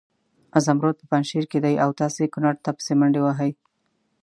زمرود په پنجشیر کې دي او تاسې کنړ ته پسې منډې وهئ.